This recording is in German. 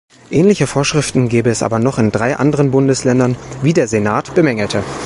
Ähnliche Vorschriften gebe es aber noch in drei anderen Bundesländern, wie der Senat bemängelte.